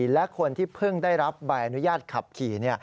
และคนที่เพิ่งได้รับใบอนุญาตขับขี่